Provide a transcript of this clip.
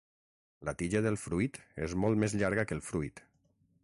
La tija del fruit és molt més llarga que el fruit.